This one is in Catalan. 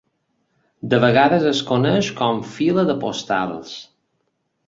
De vegades es coneix com Fila de Postals.